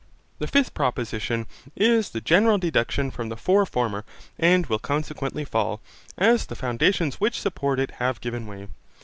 The fifth proposition is the general deduction from the four former and will consequently fall, as the foundations which support it have given way.